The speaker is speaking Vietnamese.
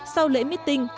sau lễ meeting